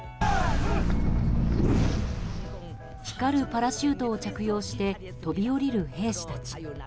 光るパラシュートを着用して飛び降りる兵士たち。